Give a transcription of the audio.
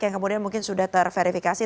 yang kemudian mungkin sudah terverifikasi